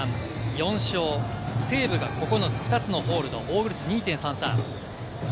４勝、セーブが９つ、２つのホールド、防御率２．３３。